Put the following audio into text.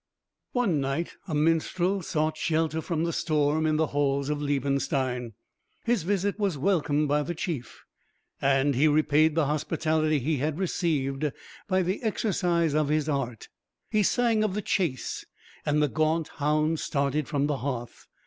One night, a minstrel sought shelter from the storm in the halls of Liebenstein. His visit was welcomed by the chief, and he repaid the hospitality he had received by the exercise of his art. He sang of the chase, and the gaunt hound started from the hearth.